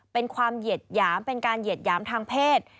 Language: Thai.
เป็นความเหยียดหยามเป็นการเหยียดหยามทางเพศ